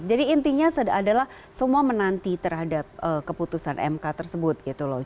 jadi intinya adalah semua menanti terhadap keputusan mk tersebut gitu loh